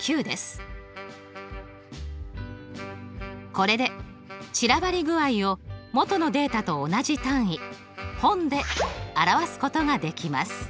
これで散らばり具合を元のデータと同じ単位本で表すことができます。